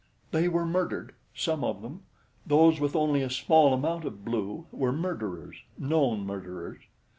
"They were murdered some of them; those with only a small amount of blue were murderers known murderers.